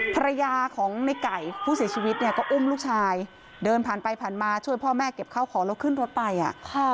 ภรรยาของในไก่ผู้เสียชีวิตเนี่ยก็อุ้มลูกชายเดินผ่านไปผ่านมาช่วยพ่อแม่เก็บข้าวของแล้วขึ้นรถไปอ่ะค่ะ